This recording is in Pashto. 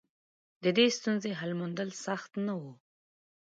د دې ستونزې حل موندل سخت نه و.